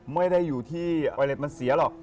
ไม่ได้อยู่ที่ไวเล็ตมันเสียหรอก